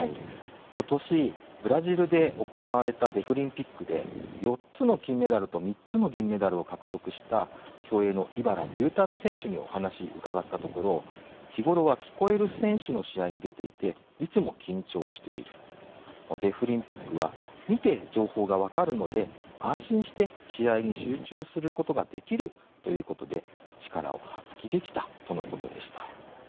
今年、ブラジルで行われたデフリンピックで４つの金メダルと３つの銀メダルを獲得した競泳の茨隆太郎選手にお話、伺ったところ日頃は聞こえる選手の試合に出ていて、いつも緊張しているデフリンピックは見て情報が分かるので、安心して試合に集中することができるということで力を発揮できたとのことでした。